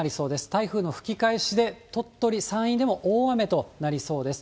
台風の吹き返しで、鳥取、山陰でも大雨となりそうです。